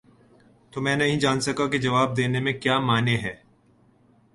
تو میں نہیں جان سکا کہ جواب دینے میں کیا مانع ہے؟